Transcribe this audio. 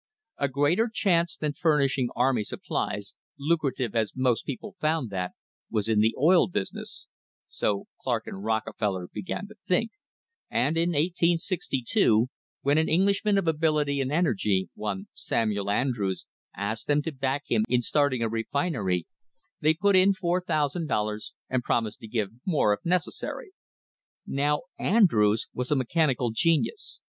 A greater chance than furnishing army supplies, lucrative as most people found that, was in the oil business (so Clark and Rockefeller began to think), and in 1862, when an Englishman of ability and energy, one Samuel Andrews, asked them to back him in starting a refinery, they put in $4,000 and promised to give more if necessary. Now Andrews was a mechanical genius.